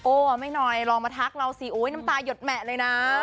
ไม่น้อยลองมาทักเราสิโอ๊ยน้ำตายหดแหมะเลยนะ